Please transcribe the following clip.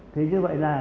thì như vậy là